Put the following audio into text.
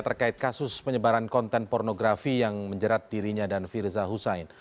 terkait kasus penyebaran konten pornografi yang menjerat dirinya dan firza hussein